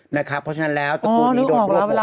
เพราะฉะนั้นแล้วตระกูลนี้โดนรวบไปแล้ว